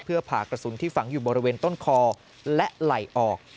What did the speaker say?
เพื่อผ่ากระสุนที่ฝังอยู่บริเวณต้นคอและไหล่ออก